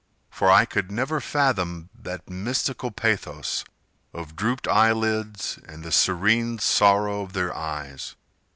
— For I could never fathom That mystical pathos of drooped eyelids, And the serene sorrow of their eyes.